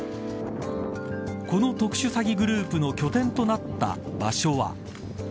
この特殊詐欺グループの拠点となった場所は。